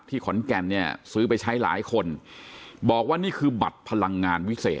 ขอนแก่นเนี่ยซื้อไปใช้หลายคนบอกว่านี่คือบัตรพลังงานวิเศษ